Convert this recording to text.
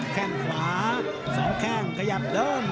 แค่งขวา๒แข้งขยับเดิน